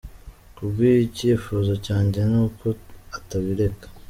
Ku bw’ibyo icyifuzo cyanjye ni uko atabireka.